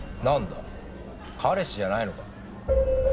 なんだ彼氏じゃないのか。